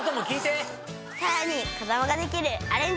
さらに子供ができるアレンジ料理も！